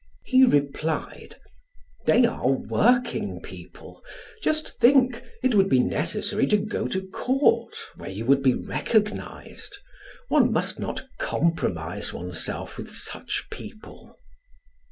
He replied: "They are working people. Just think, it would be necessary to go to court where you would be recognized; one must not compromise oneself with such people."